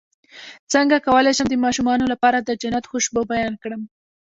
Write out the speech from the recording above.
څنګه کولی شم د ماشومانو لپاره د جنت خوشبو بیان کړم